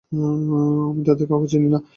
আমি তাদের কাউকে চিনি না, স্যার।